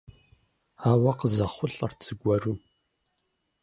Ауэ къызэхъулӀэрт зыгуэру.